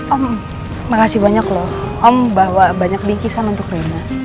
om makasih banyak loh om bawa banyak bingkisan untuk rena